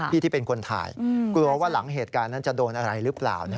ที่ที่เป็นคนถ่ายกลัวว่าหลังเหตุการณ์นั้นจะโดนอะไรหรือเปล่า